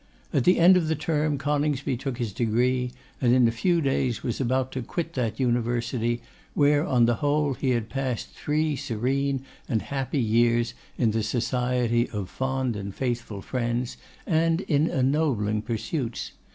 At the end of the term Coningsby took his degree, and in a few days was about to quit that university where, on the whole, he had passed three serene and happy years in the society of fond and faithful friends, and in ennobling pursuits.